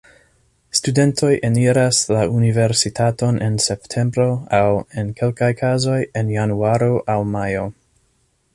Studentoj eniras la universitaton en septembro, aŭ, en kelkaj kazoj, en januaro aŭ majo.